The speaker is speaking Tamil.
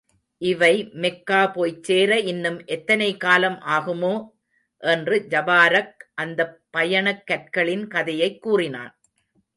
இவை மெக்கா போய்ச்சேர இன்னும் எத்தனை காலம் ஆகுமோ? என்று ஜபாரக் அந்தப் பயணக் கற்களின் கதையைக் கூறினான்.